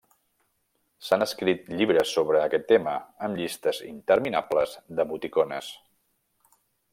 S'han escrit llibres sobre aquest tema, amb llistes interminables d'emoticones.